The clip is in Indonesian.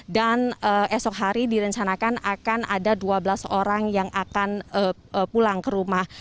dan esok hari direncanakan akan ada dua belas orang yang akan pulang ke rumah